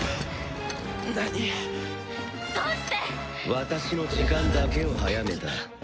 私の時間だけを早めた。